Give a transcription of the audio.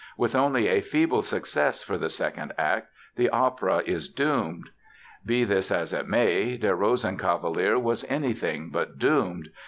With only a feeble success for the second act, the opera is doomed." Be this as it may, Der Rosenkavalier was anything but "doomed".